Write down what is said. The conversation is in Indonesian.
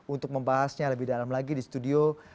untuk membahasnya lebih dalam lagi di studio